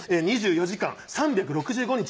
２４時間３６５日